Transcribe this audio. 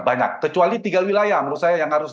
banyak kecuali tiga wilayah menurut saya yang harus